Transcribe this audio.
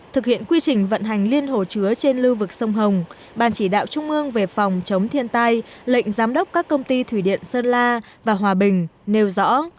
thực hiện quy trình vận hành liên hồ chứa trên lưu vực sông hồng ban chỉ đạo trung ương về phòng chống thiên tai lệnh giám đốc các công ty thủy điện sơn la và hòa bình nêu rõ